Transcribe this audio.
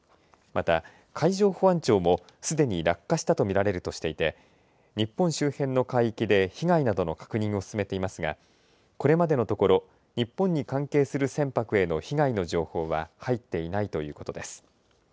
また海上保安庁も、すでに落下したと見られるとしていて、日本周辺の海域で、被害などの確認を進めていますが、これまでのところ、日本に関係する船舶への被害の情報は入っていないということです。